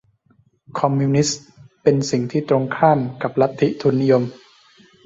คอมมิวนิสต์เป็นสิ่งที่ตรงกันข้ามกับลัทธิทุนนิยม